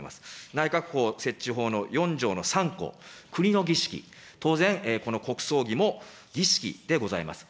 内閣法設置法の４条の３項、国の儀式、当然、国葬儀も、儀式でございます。